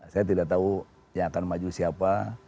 saya tidak tahu yang akan maju siapa